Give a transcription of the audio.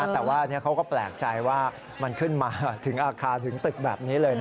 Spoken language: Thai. แต่ว่าเขาก็แปลกใจว่ามันขึ้นมาถึงอาคารถึงตึกแบบนี้เลย